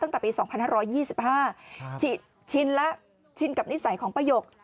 ตั้งแต่ปี๒๕๒๕ชินแล้วชินกับนิสัยของป้ายก